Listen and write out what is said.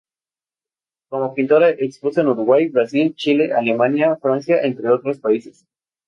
Como pintora expuso en Uruguay, Brasil, Chile, Alemania, Francia, entre otros países.